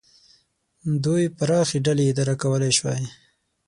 دوی پراخې ډلې اداره کولای شوای.